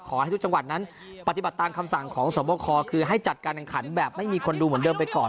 ขอให้ทุกจังหวัดนั้นปฏิบัติตามคำสั่งของสวบคอคือให้จัดการแข่งขันแบบไม่มีคนดูเหมือนเดิมไปก่อน